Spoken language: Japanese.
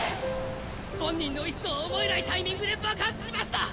本人の意思とは思えないタイミングで爆発しました！